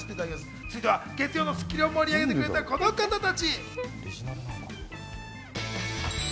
続いては月曜の『スッキリ』を盛り上げてくれたこの方たち。